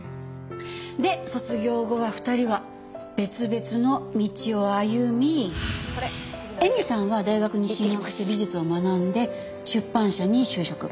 で卒業後は２人は別々の道を歩み絵美さんは大学に進学して美術を学んで出版社に就職。